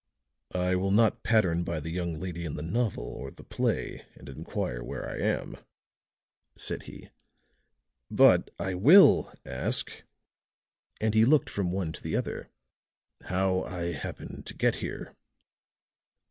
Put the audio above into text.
"I will not pattern by the young lady in the novel or the play and inquire where I am," said he. "But I will ask," and he looked from one to the other, "how I happened to get here."